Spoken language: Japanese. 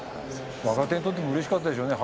若手にとってもうれしかったでしょうね。